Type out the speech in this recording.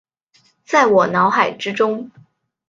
在我脑海之中